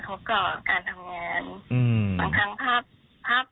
ผมก็มีกฎระทบกับการทำงาน